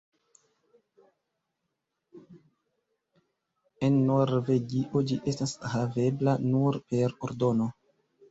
En Norvegio ĝi estas havebla nur per ordono.